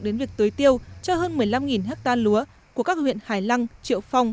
đến việc tưới tiêu cho hơn một mươi năm hectare lúa của các huyện hải lăng triệu phong